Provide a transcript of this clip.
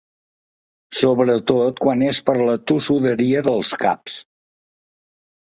Sobretot quan és per la tossuderia dels caps.